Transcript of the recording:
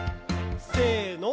せの。